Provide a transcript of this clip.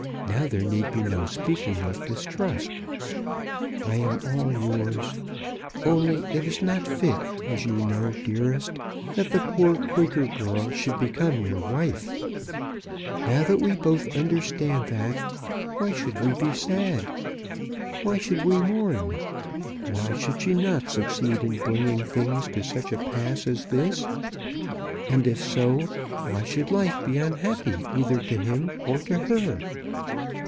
Now there need be no speaking of distrust. I am all yours, only it is not fit, as you know, dearest, that the poor Quaker girl should become your wife. Now that we both understand that, why should we be sad? Why should we mourn?" Why should she not succeed in bringing things to such a pass as this; and if so, why should life be unhappy either to him or to her?